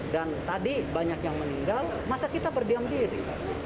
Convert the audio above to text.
dan tadi banyak yang meninggal masa kita berdiam diri